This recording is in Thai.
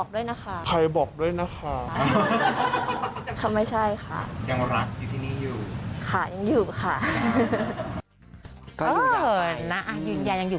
แล้วมีนักเหตุการณ์ช่องหรือว่าเปลี่ยนช่องอะไรกันอีกแล้วอะไรอย่างนี้